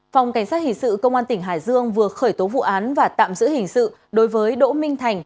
phòng cảnh sát hình sự công an tp hcm vừa khởi tố vụ án và tạm giữ hình sự đối với đỗ minh thành